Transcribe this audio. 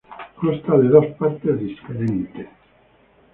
Consta de dos partes distintas.